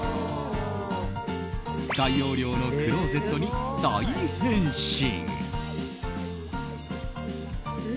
大容量のクローゼットに大変身。